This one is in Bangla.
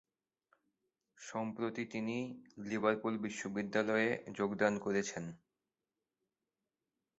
সম্প্রতি তিনি লিভারপুল বিশ্ববিদ্যালয়ে যোগদান করেছেন।